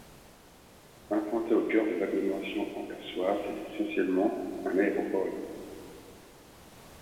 Implanté au cœur de l'agglomération anversoise, c'est essentiellement un aéroport urbain.